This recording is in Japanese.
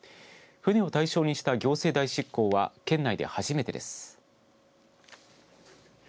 船を対象にした行政代執行は県内で初めてです。